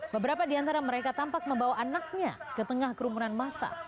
beberapa di antara mereka tampak membawa anaknya ke tengah kerumunan masa